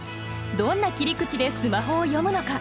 どんな切り口でスマホを詠むのか。